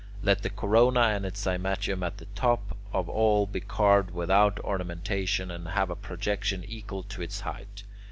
Let the corona and its cymatium at the top of all be carved without ornamentation, and have a projection equal to its height.